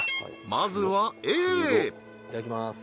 まずはＡいただきまーす